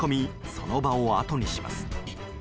その場をあとにします。